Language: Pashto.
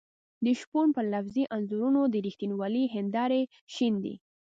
د شپون پر لفظي انځورونو د رښتینولۍ هېندارې شيندي.